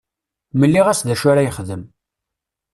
Mliɣ-as d acu ara yexdem.